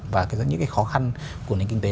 và những khó khăn của nền kinh tế